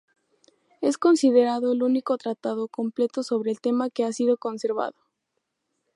Es considerado el único tratado completo sobre el tema que ha sido conservado.